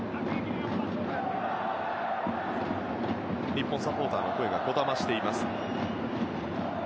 日本サポーターの声がこだましています。